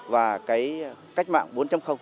và cách mạng quốc tế